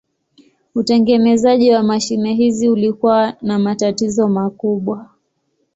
Utengenezaji wa mashine hizi ulikuwa na matatizo makubwa.